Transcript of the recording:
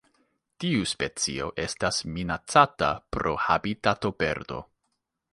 Tiu specio estas minacata pro habitatoperdo.